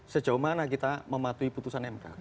sejauh mana kita mematuhi putusan mk